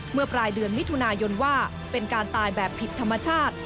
เมื่อปลายเดือนมิถุนายนว่าเป็นการตายแบบผิดธรรมชาติ